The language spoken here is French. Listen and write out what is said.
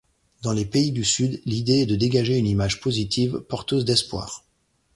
Dans les pays du Sud, l’idée est de dégager une image positive, porteuse d’espoir.